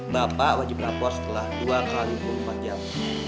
bapak wajib lapor setelah dua x empat belas jam